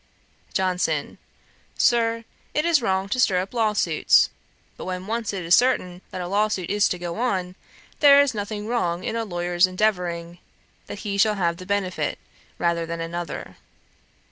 JOHNSON. 'Sir, it is wrong to stir up law suits; but when once it is certain that a law suit is to go on, there is nothing wrong in a lawyer's endeavouring that he shall have the benefit, rather than another.'